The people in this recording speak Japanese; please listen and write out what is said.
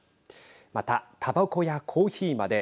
また、たばこやコーヒーまで。